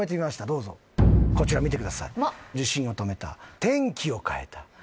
どうぞこちら見てください「地震を止めた」「天気を変えた」